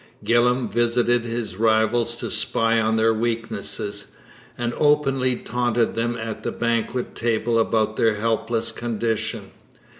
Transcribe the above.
Gillam visited his rivals to spy on their weakness, and openly taunted them at the banquet table about their helpless condition.